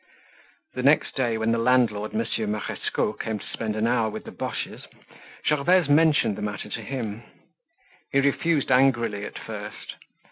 The next day when the landlord, Monsieur Marescot, came to spend an hour with the Boches, Gervaise mentioned the matter to him. He refused angrily at first.